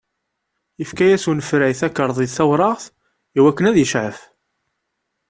Ifka-yas unefray takarḍit tawraɣt i wakken ad icɛef.